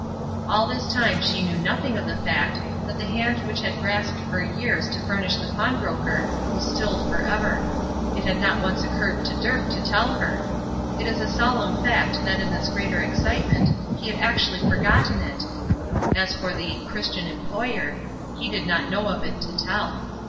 All this time she knew nothing of the fact that the hand which had grasped for years to furnish the pawnbroker was stilled forever. It had not once occurred to Dirk to tell her. It is a solemn fact that in this greater excitement he had actually forgotten it! As for the "Christian employer," he did not know of it to tell.